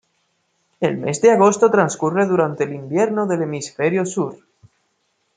El mes de agosto transcurre durante el invierno del hemisferio sur.